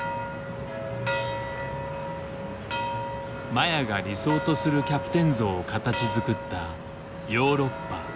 麻也が理想とするキャプテン像を形づくったヨーロッパ。